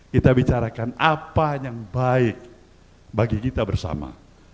kita bicarakan apa yang baik bagi kita bersama